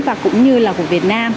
và cũng như là của việt nam